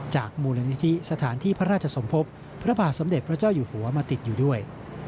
มูลนิธิสถานที่พระราชสมภพพระบาทสมเด็จพระเจ้าอยู่หัวมาติดอยู่ด้วย